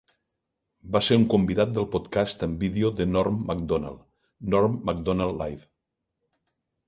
Va ser un convidat del podcast en vídeo de Norm Macdonald, "Norm Macdonald Live".